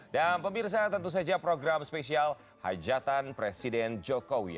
dan pemirsa tentu saja program spesial hajatan presiden jokowi